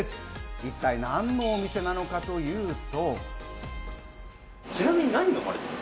一体、何のお店なのかというと。